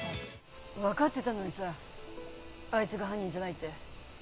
わかってたのにさ、あいつが犯人じゃないって。